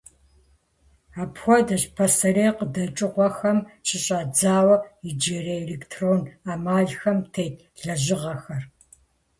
Апхуэдэщ пасэрей къыдэкӏыгъуэхэм щыщӏэдзауэ иджырей электрон ӏэмалхэм тет лэжьыгъэхэр.